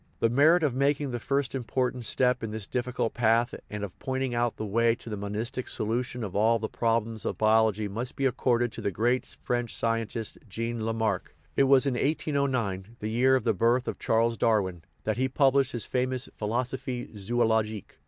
The merit of making the first important step in this difficult path and of pointing out the way to the monistic solution of all the problems of biology must be accorded to the great French scientist, Jean Lamarck; it was in 1809, the year of the birth of Charles Darwin, that he published his famous Philo sophie Zoologique.